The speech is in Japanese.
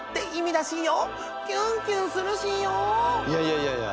いやいやいやいや。